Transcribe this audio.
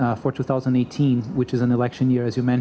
yang merupakan tahun pilihan seperti yang anda sebutkan